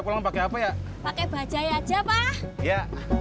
pakai apa ya pakai bajaj aja pak ya